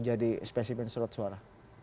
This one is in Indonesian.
jadi spesimen surat suara